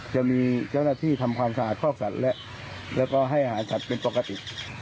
จะมีเจ้าหน้าที่ทำความสะอาดคอกสัตว์และแล้วก็ให้อาหารสัตว์เป็นปกติ